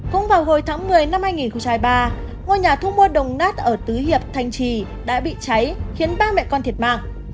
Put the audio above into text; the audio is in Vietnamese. cũng vào hồi tháng một mươi năm hai nghìn hai mươi ba ngôi nhà thu mua đồng nát ở tứ hiệp thanh trì đã bị cháy khiến ba mẹ con thiệt mạng